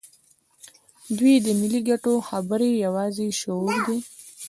دوی د ملي ګټو خبرې یوازې شعار دي.